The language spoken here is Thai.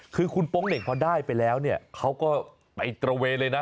คือคุณโป๊งเหน่งพอได้ไปแล้วเนี่ยเขาก็ไปตระเวนเลยนะ